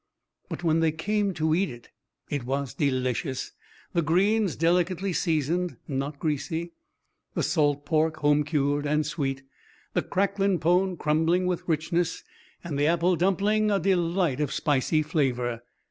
But when they came to eat it, it was delicious the greens delicately seasoned, not greasy, the salt pork home cured and sweet, the cracklin' pone crumbling with richness, and the apple dumpling a delight of spicy flavour.